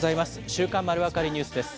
週刊まるわかりニュースです。